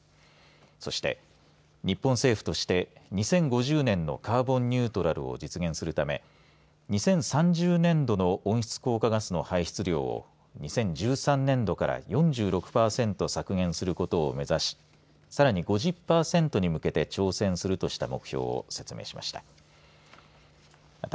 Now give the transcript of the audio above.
そして、日本政府として２０５０年のカーボンニュートラルを実現するため２０３０年度の温室効果ガスの排出量を２０１３年度から４６パーセント削減することを目指しさらに５０パーセントに向けて挑戦するとした目標を説明しました。